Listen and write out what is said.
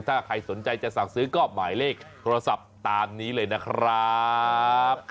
ถ้าใครสนใจจะสั่งซื้อก็หมายเลขโทรศัพท์ตามนี้เลยนะครับ